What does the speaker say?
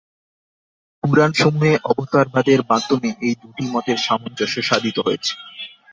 পুরাণসমূহে অবতারবাদের মাধ্যমে এই দুটি মতের সামঞ্জস্য সাধিত হয়েছে।